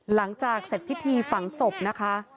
หลังจากเสร็จพิธีฝังศพนะคะ